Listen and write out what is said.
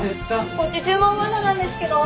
こっち注文まだなんですけど。